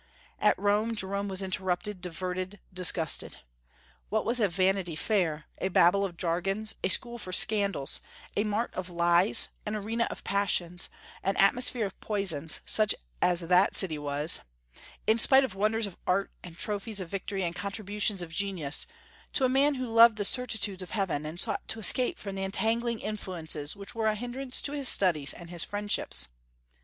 At Rome, Jerome was interrupted, diverted, disgusted. What was a Vanity Fair, a Babel of jargons, a school for scandals, a mart of lies, an arena of passions, an atmosphere of poisons, such as that city was, in spite of wonders of art and trophies of victory and contributions of genius, to a man who loved the certitudes of heaven, and sought to escape from the entangling influences which were a hindrance to his studies and his friendships?